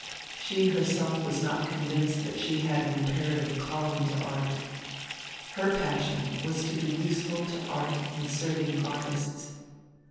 She herself was not convinced that she had an imperative calling to art. Her passion was to be useful to art in serving artists.